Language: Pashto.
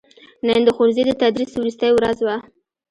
نن دښوونځي دتدریس وروستې ورځ وه